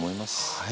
はい。